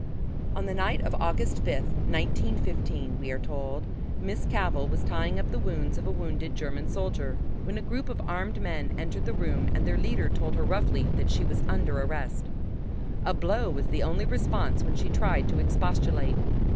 On the night of August fifth, 1915, we are told, Miss Cavell was tying up the wounds of a wounded German soldier, when a group of armed men entered the room and their leader told her roughly that she was under arrest. A blow was the only response when she tried to expostulate.